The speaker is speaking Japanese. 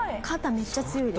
めっちゃ強いです。